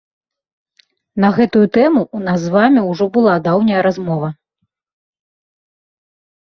На гэтую тэму ў нас з вамі ўжо была даўняя размова.